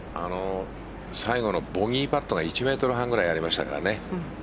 最後のボギーパットが１メートル半ぐらいありましたからね。